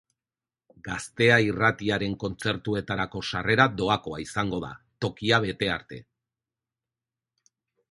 Gaztea irratiaren kontzertuetarako sarrera doakoa izango da, tokia bete arte.